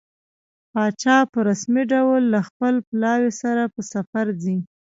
پاچا په رسمي ډول له خپل پلاوي سره په سفر ځي.